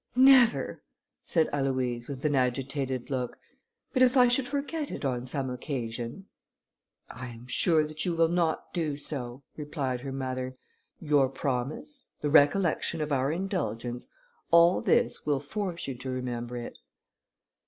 "Never!" said Aloïse, with an agitated look; "but if I should forget it on some occasion?" "I am sure that you will not do so," replied her mother; "your promise, the recollection of our indulgence, all this will force you to remember it."